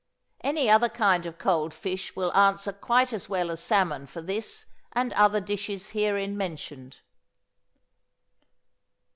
Any other kind of cold fish will answer quite as well as salmon for this and other dishes herein mentioned.